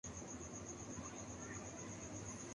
کہ شیطان کا تسلط خود انسان کے اپنے عمل کا نتیجہ ہے